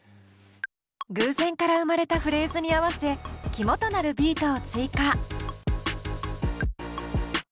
偶然から生まれたフレーズに合わせ肝となるビートを追加。